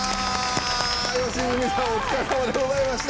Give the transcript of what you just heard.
良純さんお疲れさまでございました。